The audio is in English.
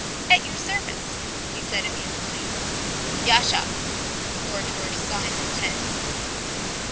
"At your service," he said amusedly. "Yasha!" The orator signed with his head.